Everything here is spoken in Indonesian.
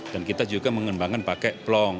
dan kita juga mengembangkan pakai plong